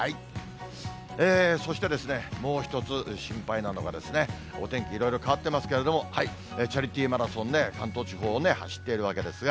そしてですね、もう一つ心配なのがお天気、いろいろ変わってますけれども、チャリティーマラソンね、関東地方を走っているわけですが、